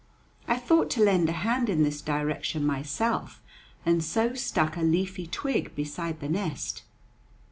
I thought to lend a hand in this direction myself, and so stuck a leafy twig beside the nest.